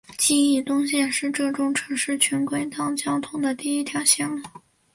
金义东线是浙中城市群轨道交通的第一条线路。